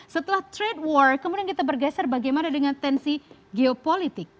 setelah trade war kemudian kita bergeser bagaimana dengan tensi geopolitik